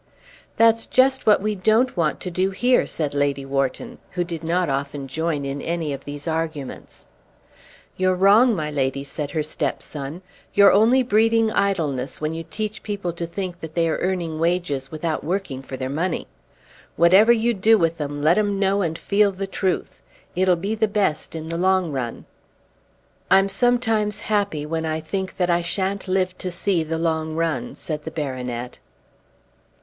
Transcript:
"That's just what we don't want to do here," said Lady Wharton, who did not often join in any of these arguments. "You're wrong, my lady," said her stepson. "You're only breeding idleness when you teach people to think that they are earning wages without working for their money. Whatever you do with 'em let 'em know and feel the truth. It'll be the best in the long run." "I'm sometimes happy when I think that I shan't live to see the long run," said the baronet.